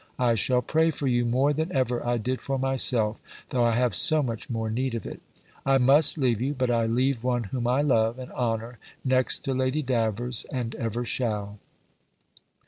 I shall pray for you more than ever I did for myself, though I have so much more need of it: I must leave you But I leave one whom I love and honour next to Lady Davers, and ever shall."